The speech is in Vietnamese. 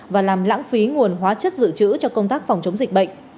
và làm lãng phí nguồn hóa chất dự trữ cho công tác phòng chống dịch bệnh